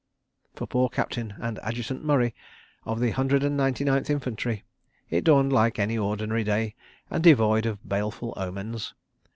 For poor Captain and Adjutant Murray, of the Hundred and Ninety Ninth Infantry, it dawned like any ordinary day, and devoid of baleful omens.